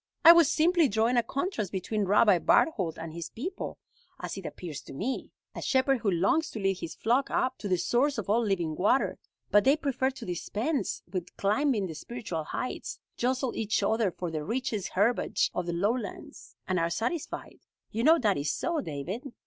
I was simply drawing a contrast between Rabbi Barthold and his people, as it appears to me a shepherd who longs to lead his flock up to the source of all living water; but they prefer to dispense with climbing the spiritual heights, jostle each other for the richest herbage of the lowlands, and are satisfied. You know that is so, David."